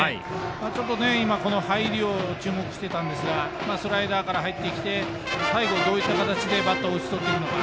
ちょっと今入りを注目していたんですがスライダーから入ってきて最後、どういった形でバッターを打ち取っていくのか。